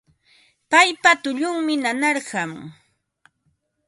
Paypa tullunmi nanarqan